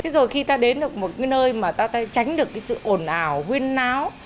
thế rồi khi ta đến được một cái nơi mà ta tránh được cái sự ổn ảo huyên náo